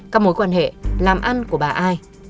các mối quan hệ làm ăn của bà ai